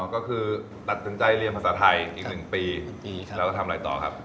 ก็คือตัดสินใจเรียนภาษาไทยอีก๑ปีแล้วก็ทำอะไรต่อครับ